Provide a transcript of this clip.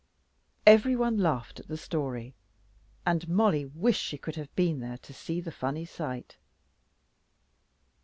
Every one laughed at the story, and Mollie wished she could have been there to see the funny sight.